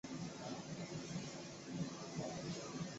未来计划兴建的如意坊大桥与该路相连接。